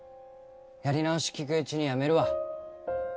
やり直しきくうちにやめるわ